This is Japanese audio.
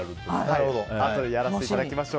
あとでやらせていただきます。